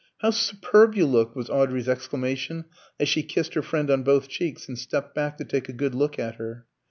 "How superb you look!" was Audrey's exclamation, as she kissed her friend on both cheeks and stepped back to take a good look at her.